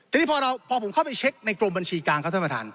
ทีนี้พอผมเข้าไปเช็คในกรมบัญชีกลางครับท่านประธาน